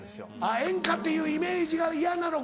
演歌っていうイメージが嫌なのか。